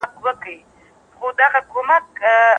د عقیدې په نوم د خلګو دوکه کول بد کار دی.